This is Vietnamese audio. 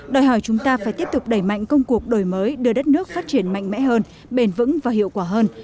đòi hỏi chúng ta phải tiếp tục đẩy mạnh công cuộc đổi mới đưa đất nước phát triển mạnh mẽ hơn bền vững và hiệu quả hơn